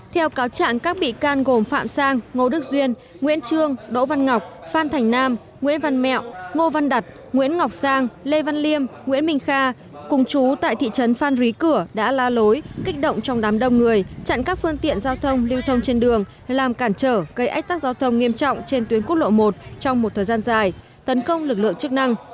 theo cáo chẳng các bị can gồm phạm sang ngô đức duyên nguyễn trương đỗ văn ngọc phan thành nam nguyễn văn mẹo ngô văn đặt nguyễn ngọc sang lê văn liêm nguyễn minh kha cùng chú tại thị trấn phan rí cửa đã la lối kích động trong đám đông người chặn các phương tiện giao thông lưu thông trên đường làm cản trở gây ách tắc giao thông nghiêm trọng trên tuyến quốc lộ một trong một thời gian dài tấn công lực lượng chức năng